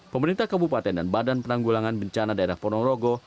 pemerintah kabupaten dan badan penanggulangan bencana daerah ponorogo